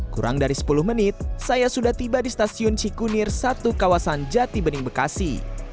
kurang dari sepuluh menit saya sudah tiba di stasiun cikunir satu kawasan jati bening bekasi